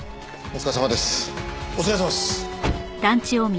お疲れさまです。